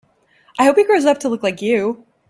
I hope he grows up to look like you.